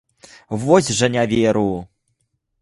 Вось жа не веру.